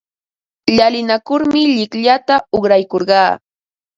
Llalinakurmi llikllata uqraykurqaa.